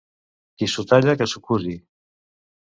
Qui s'ho talla, que s'ho cusi.